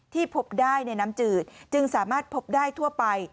พบได้ในน้ำจืดจึงสามารถพบได้ทั่วไป